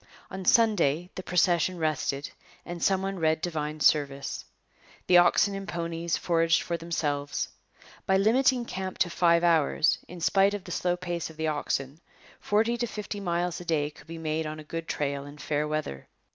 On Sunday the procession rested and some one read divine service. The oxen and ponies foraged for themselves. By limiting camp to five hours, in spite of the slow pace of the oxen, forty to fifty miles a day could be made on a good trail in fair weather.